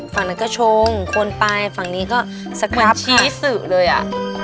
ฝั่งนั้นก็ชงคนไปฝั่งนี้ก็สครับค่ะชีสเลยอะ